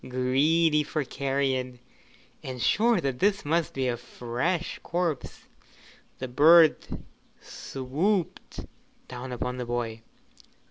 Greedy for carrion, and sure that this must be a fresh corpse, the bird swooped down upon the boy.